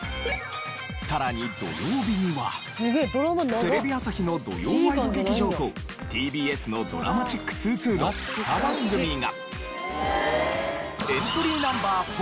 さらに土曜日にはテレビ朝日の土曜ワイド劇場とＴＢＳのドラマチック２２の２番組が。